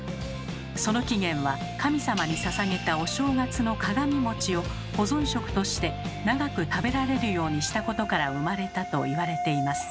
その起源は神様にささげたお正月の鏡餅を保存食として長く食べられるようにしたことから生まれたと言われています。